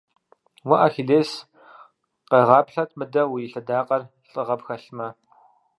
Уэ, Ахилес! Къэгъаплъэт мыдэ уи лъэдакъэр, лӏыгъэ пхэлъмэ!